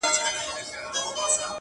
تور یم؛ موړ یمه د ژوند له خرمستیو؛